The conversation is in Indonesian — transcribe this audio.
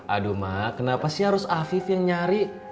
aduh mak kenapa sih harus afif yang nyari